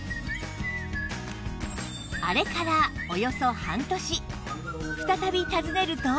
あれからおよそ半年再び訪ねると